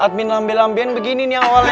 admin lambe lambian begini nih yang awalnya